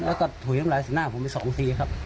แล้วก็ถุยน้ำลายสีหน้าผมไปสองทีครับ